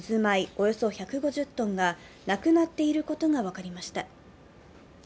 およそ１５０ｔがなくなっていることが分かりました。